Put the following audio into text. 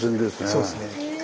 そうですね。